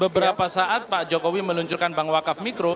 beberapa saat pak jokowi meluncurkan bank wakaf mikro